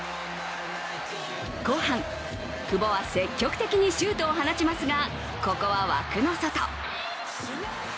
後半、久保は積極的にシュートを放ちますがここは枠の外。